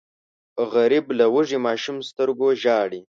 غریب له وږي ماشوم سترګو ژاړي